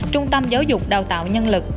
trung tâm giáo dục đào tạo nhân lực